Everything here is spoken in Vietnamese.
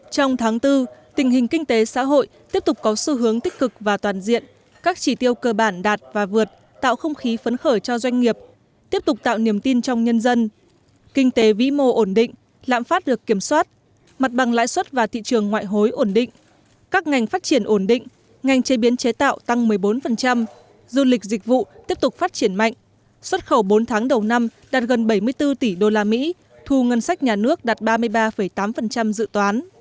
trong tháng bốn tình hình kinh tế xã hội tiếp tục có xu hướng tích cực và toàn diện các chỉ tiêu cơ bản đạt và vượt tạo không khí phấn khởi cho doanh nghiệp tiếp tục tạo niềm tin trong nhân dân kinh tế vĩ mô ổn định lãm phát được kiểm soát mặt bằng lãi suất và thị trường ngoại hối ổn định các ngành phát triển ổn định ngành chế biến chế tạo tăng một mươi bốn du lịch dịch vụ tiếp tục phát triển mạnh xuất khẩu bốn tháng đầu năm đạt gần bảy mươi bốn tỷ usd thu ngân sách nhà nước đạt ba tỷ usd